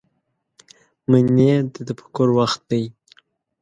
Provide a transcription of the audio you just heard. منی د تفکر وخت دی